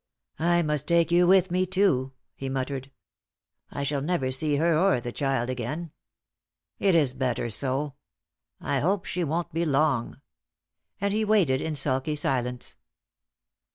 "I must take you with me, too," he muttered. "I shall never see her or the child again. It is better so; I hope she won't be long." And he waited in sulky silence.